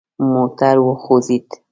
موټر وخوځید.